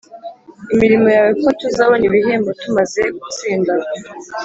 imirimo yawe, kuko tuzabon’ ibihembo, tumaze gutsinda